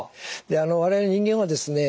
我々人間はですね